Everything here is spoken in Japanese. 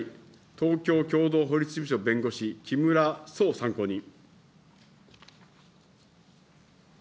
東京共同法律事務所弁護士、木村壮参考人。